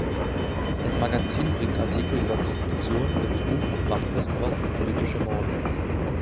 Das Magazin bringt Artikel über Korruption, Betrug, Machtmissbrauch und politische Morde.